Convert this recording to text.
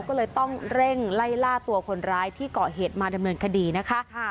ก็เลยต้องเร่งไล่ล่าตัวคนร้ายที่เกาะเหตุมาดำเนินคดีนะคะ